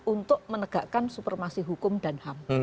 untuk menegakkan supermasi hukum dan ham